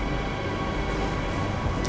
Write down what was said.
terima kasih kiki